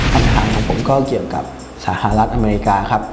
ปัญหาของผมก็เกี่ยวกับสหรัฐอเมริกาครับ